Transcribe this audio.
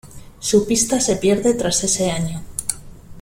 Su pista se pierde tras ese año.